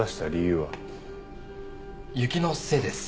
雪のせいです。